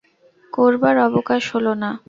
করবার অবকাশ হল না।